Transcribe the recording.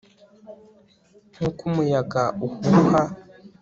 nkuko umuyaga uhuha